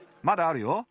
まだあるよ。